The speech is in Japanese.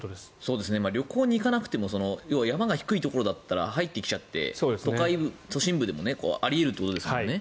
旅行に行かなくても要は山が低いところだったら入ってきちゃって、都心部でもあり得るということですもんね。